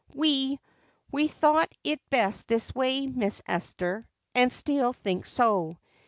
"We we thought it best this way, Miss Esther, and still think so.